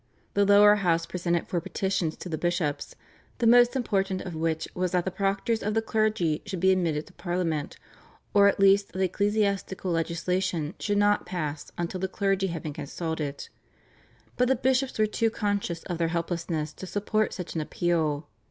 The lower house presented four petitions to the bishops, the most important of which was that the proctors of the clergy should be admitted to Parliament, or at least that ecclesiastical legislation should not pass until the clergy had been consulted, but the bishops were too conscious of their helplessness to support such an appeal.